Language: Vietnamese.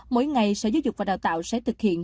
mỗi ngày sở giáo dục và đào tạo sẽ thực hiện